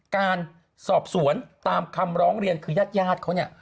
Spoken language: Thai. การสอบสวนตามคำร้องเรียนคือญาติญาติเขาเนี่ย